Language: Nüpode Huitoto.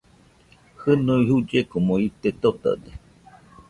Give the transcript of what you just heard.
Jɨnui jullekomo ite totade